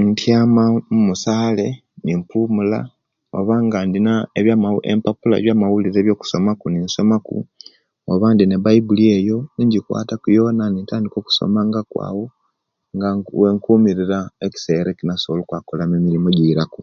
Intiama mumusale nimpumula oba nga ndina ebyama empapula ejamawulire ebyokusomaku nensosoma ku oba indina baibuli eyo ninjikwataku yona nintandika okusomangaku awo nga wenkumirira ekisera ekyenasobola okukolamu emirimu ejiraku